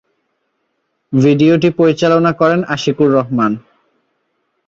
ভিডিওটি পরিচালনা করেন আশিকুর রহমান।